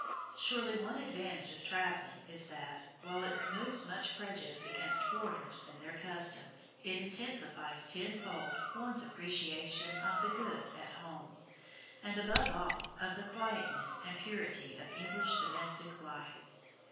Surely one advantage of traveling is that, while it removes much prejudice against foreigners and their customs, it intensifies tenfold one's appreciation of the good at home, and, above all, of the quietness and purity of English domestic life.